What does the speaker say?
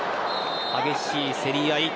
激しい競り合い。